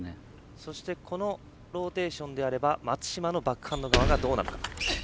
そしてこのローテーションであれば松島のバックハンド側がどうなるか。